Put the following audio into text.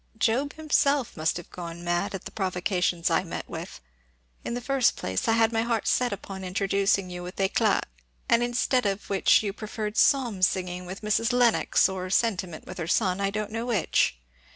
Job himself must have gone mad at the provocations I met with. In the first place, I had set my heart upon introducing you with éclat, and instead of which you preferred psalm singing with Mrs. Lennox, or sentiment with her son I don't know which.